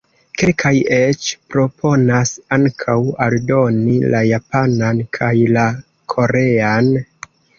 Kelkaj eĉ proponas ankaŭ aldoni la Japanan kaj la Korean.